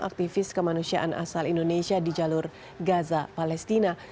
aktivis kemanusiaan asal indonesia di jalur gaza palestina